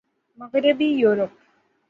مغربی یورپ